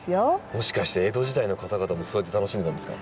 もしかして江戸時代の方々もそうやって楽しんでたんですか？